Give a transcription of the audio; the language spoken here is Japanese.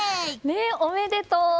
おめでとう！